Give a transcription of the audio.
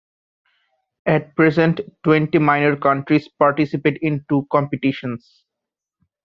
At present twenty Minor Counties participate in two competitions.